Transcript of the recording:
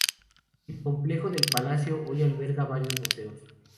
El complejo del palacio hoy alberga varios museos.